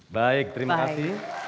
baik terima kasih